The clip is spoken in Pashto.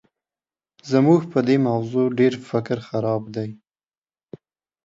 زموږ په دې موضوع ډېر فکر خراب دی.